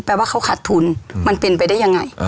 ว่าเขาขาดทุนมันเป็นไปได้ยังไง